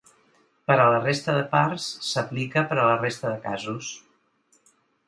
Per a la resta de parts, s'aplica per a la resta de casos.